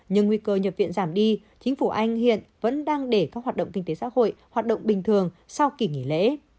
nhưng nguy cơ nhập viện giảm đi chính phủ anh hiện vẫn đang để các hoạt động kinh tế xã hội hoạt động bình thường sau kỳ nghỉ lễ